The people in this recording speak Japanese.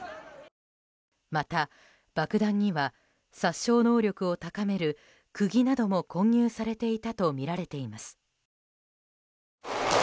また、爆弾には殺傷能力を高める釘なども混入されていたとみられています。